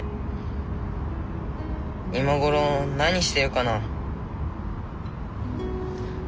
今頃何してるかな？